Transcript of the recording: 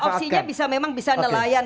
opsinya memang bisa nelayan